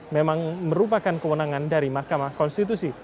memang merupakan kewenangan dari mahkamah konstitusi